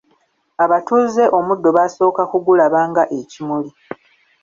Abatuuze omuddo baasooka kugulaba nga ekimuli.